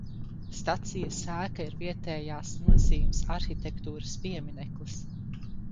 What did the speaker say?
Stacijas ēka ir vietējās nozīmes arhitektūras piemineklis.